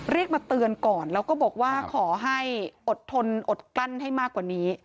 เรียกมาเตือนก่อนแล้วก็บอกว่าขอให้อดทนอดกลั้นให้มากกว่านี้